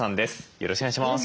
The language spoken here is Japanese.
よろしくお願いします。